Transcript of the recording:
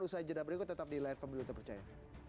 usaha yang jadwal berikut tetap di layar pemilu yang terpercaya